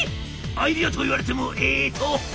アイデアと言われてもえっと。